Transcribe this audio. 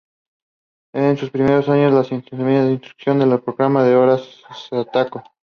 En sus primeros años, la sintonía de introducción del programa era "Hora staccato".